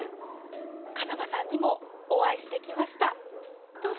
風間さんにもお会いしてきました。